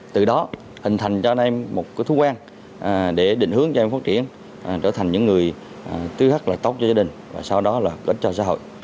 từ đó hình thành cho em một cái thú quen để định hướng cho em phát triển trở thành những người tư hắc là tốt cho gia đình và sau đó là tốt cho xã hội